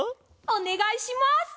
おねがいします。